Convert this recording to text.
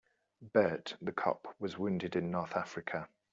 Bert the cop was wounded in North Africa.